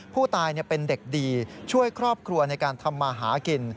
ผู้ตายเป็นเด็กดีช่วยครอบครัวในการทำมาหากิน